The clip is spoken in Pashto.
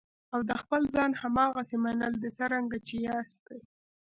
او د خپل ځان هماغسې منل دي څرنګه چې یاستئ.